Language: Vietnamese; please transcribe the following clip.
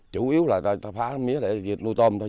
chủ yếu là phá mía để dịch nuôi tôm thôi